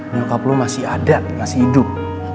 nyokap lo masih ada masih hidup